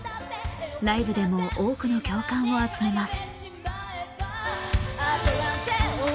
ライブでも多くの共感を集めます。